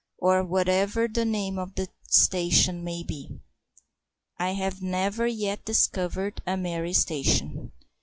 or whatever the name of the station may be. I have never yet discovered a merry station.